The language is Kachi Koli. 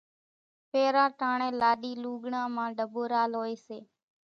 ڦيران ٽاڻيَ لاڏِي لُوڳڙان مان ڍٻورال هوئيَ سي۔